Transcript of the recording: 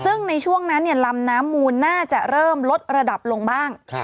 ซึ่งในช่วงนั้นลำน้ำมูลน่าจะเริ่มลดระดับลงบ้าง